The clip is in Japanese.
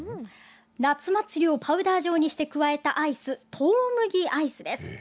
夏祭りをパウダー状にして加えたアイス、とうむぎアイスです。